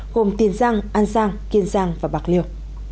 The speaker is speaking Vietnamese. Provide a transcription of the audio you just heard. gồm tiền giang an giang kiên giang và bạc liêu